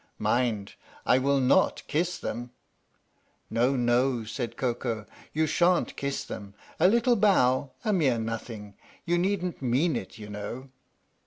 " Mind, I will not kiss them." " No, no," replied Koko. "You shan't kiss them. A little bow a mere nothing. You needn't mean it, you know."